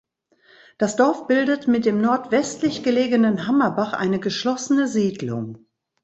Das Dorf bildet mit dem nordwestlich gelegenen Hammerbach eine geschlossene Siedlung.